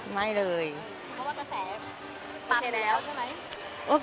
ไม่ได้เลย